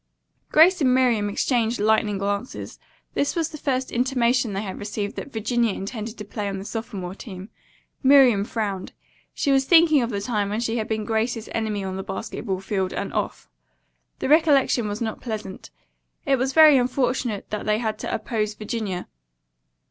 Grace and Miriam exchanged lightning glances. This was the first intimation they had received that Virginia intended to play on the sophomore team. Miriam frowned. She was thinking of the time when she had been Grace's enemy on the basketball field and off. The recollection was not pleasant. It was very unfortunate that they had to oppose Virginia.